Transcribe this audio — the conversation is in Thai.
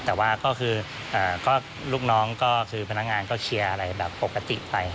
แต่ว่าก็คือลูกน้องก็คือพนักงานก็เคลียร์อะไรแบบปกติไป